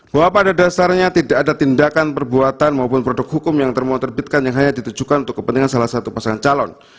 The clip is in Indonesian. bahwa pada dasarnya tidak ada tindakan perbuatan maupun produk hukum yang termoh terbitkan yang hanya ditujukan untuk kepentingan salah satu pasangan calon